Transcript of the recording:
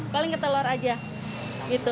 paling ketelor aja gitu